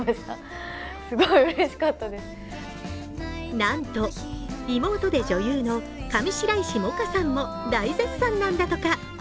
なんと、妹で女優の上白石萌歌さんも大絶賛なんだとか。